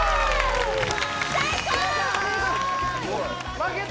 負けた！